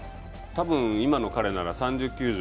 多分今の彼なら３０球場